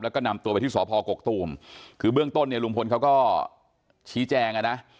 แล้วก็นำตัวไปที่สพกกตูมคือเบื้องต้นเนี่ยลุงพลเขาก็ชี้แจงอ่ะนะ